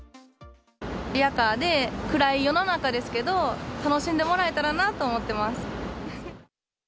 リヤカーで、暗い世の中ですけど、楽しんでもらえたらなと思ってます。